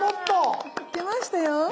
来ましたよ。